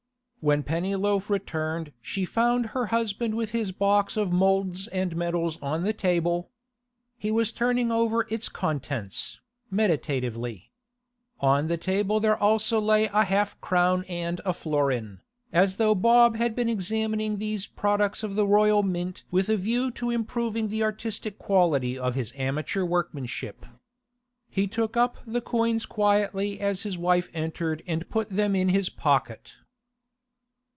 When Pennyloaf returned she found her husband with his box of moulds and medals on the table. He was turning over its contents, meditatively. On the table there also lay a half crown and a florin, as though Bob had been examining these products of the Royal Mint with a view to improving the artistic quality of his amateur workmanship. He took up the coins quietly as his wife entered and put them in his pocket.